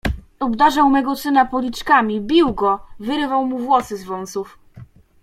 "Obdarzał mego syna policzkami, bił go, wyrywał mu włosy z wąsów."